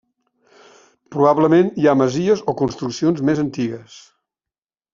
Probablement hi ha masies o construccions més antigues.